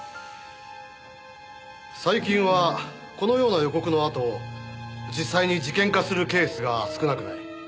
最近はこのような予告のあと実際に事件化するケースが少なくない。